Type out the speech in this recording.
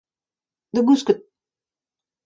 Da gousket !